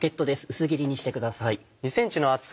薄切りにしてください。